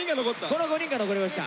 この５人が残りました。